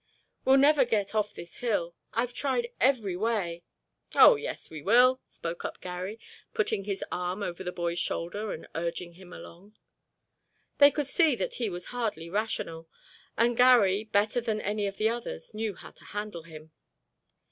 "We'll never get off this hill; I've tried every way——" "Oh, yes, we will," spoke up Garry, putting his arm over the boy's shoulder and urging him along. They could see that he was hardly rational, and Garry, better than any of the others, knew how to handle him.